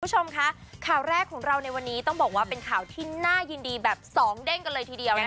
คุณผู้ชมคะข่าวแรกของเราในวันนี้ต้องบอกว่าเป็นข่าวที่น่ายินดีแบบสองเด้งกันเลยทีเดียวนะคะ